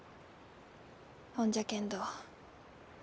ほんじゃけんど